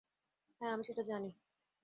হ্যাঁ, আমি জানি সেটা।